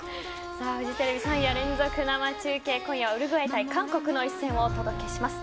フジテレビ３夜連続生中継今夜はウルグアイ対韓国の一戦をお届けします。